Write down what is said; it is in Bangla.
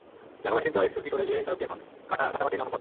এলাকাবাসীর দেওয়া ইট-সুরকি সরে গিয়ে সড়কটি এখন কাঁচা মাটির গ্রাম্য পথ।